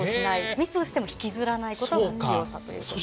ミスをしても引きずらないことが強さということです。